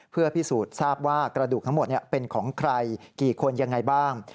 เพื่อพิสูจน์ทราบว่ากระดูกทั้งหมดเป็นของใครกี่คนยังไงบ้าง